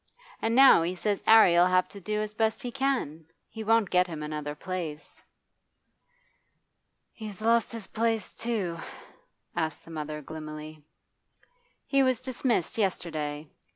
And now he says 'Arry 'll have to do as best he can. He won't get him another place.' 'He's lost his place too?' asked the mother gloomily. 'He was dismissed yesterday.